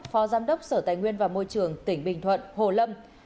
phó giám đốc sở tài nguyên và môi trường tỉnh bình thuận hồ lâm